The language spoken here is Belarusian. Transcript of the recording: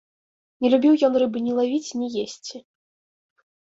Не любіў ён рыбы ні лавіць, ні есці.